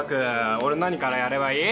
俺何からやればいい？